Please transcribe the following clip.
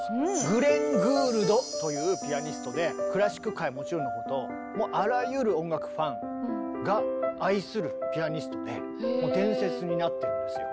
グレン・グールドというピアニストでクラシック界はもちろんのこともうあらゆる音楽ファンが愛するピアニストでもう伝説になってるんですよ。